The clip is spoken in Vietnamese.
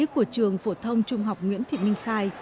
của trường phổ thông trung học nguyễn thị minh khai